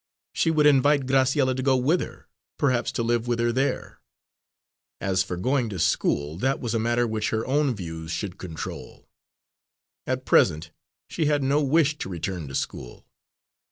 She would invite Graciella to go with her, perhaps to live with her there. As for going to school, that was a matter which her own views should control; at present she had no wish to return to school.